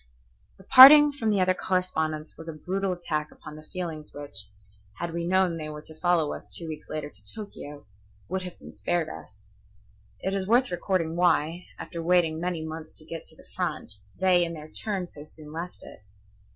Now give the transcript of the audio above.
The parting from the other correspondents was a brutal attack upon the feelings which, had we known they were to follow us two weeks later to Tokio, would have been spared us. It is worth recording why, after waiting many months to get to the front, they in their turn so soon left it.